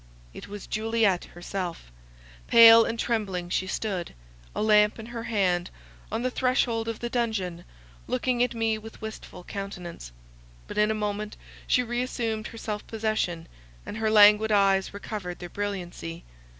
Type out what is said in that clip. It was Juliet herself; pale and trembling she stood, a lamp in her hand, on the threshold of the dungeon, looking at me with wistful countenance. But in a moment she re assumed her self possession; and her languid eyes recovered their brilliancy.